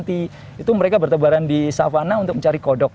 itu mereka bertebaran di savana untuk mencari kodok